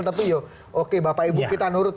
tapi ya oke bapak ibu kita nurut